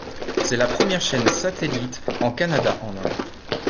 C'est la première chaîne satellite en kannada en Inde.